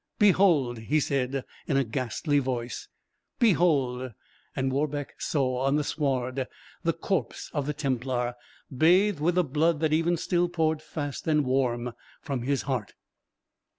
"Behold!" he said, in a ghastly voice, "behold!" and Warbeck saw on the sward the corpse of the Templar, bathed with the blood that even still poured fast and warm from his heart.